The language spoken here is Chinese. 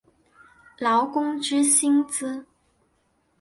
劳工之薪资